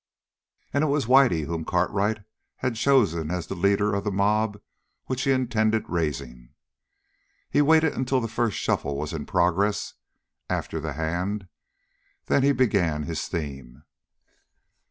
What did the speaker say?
And it was Whitey whom Cartwright had chosen as the leader of the mob which he intended raising. He waited until the first shuffle was in progress after the hand, then he began his theme.